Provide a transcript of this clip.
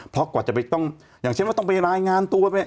เพราะกว่าจะไปต้องอย่างเช่นว่าต้องไปรายงานตัวไป